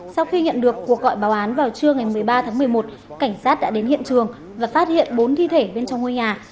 sau khi nhận được cuộc gọi báo án vào trưa ngày một mươi ba tháng một mươi một cảnh sát đã đến hiện trường và phát hiện bốn thi thể bên trong ngôi nhà